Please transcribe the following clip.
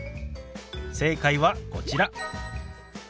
正解はこちら。